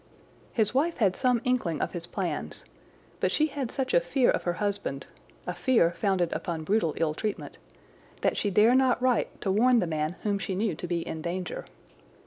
His wife had some inkling of his plans; but she had such a fear of her husband—a fear founded upon brutal ill treatment—that she dare not write to warn the man whom she knew to be in danger.